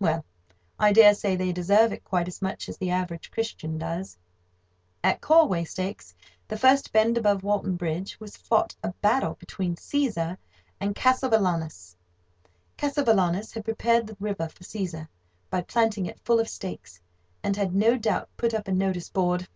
Well, I dare say they deserve it quite as much as the average Christian does. At "Corway Stakes"—the first bend above Walton Bridge—was fought a battle between Cæsar and Cassivelaunus. Cassivelaunus had prepared the river for Cæsar, by planting it full of stakes (and had, no doubt, put up a notice board).